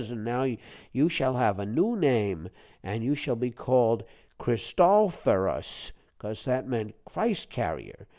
An' now you shall have a new name; you shall be called _Christ_offerus, cos that means Christ carrier.'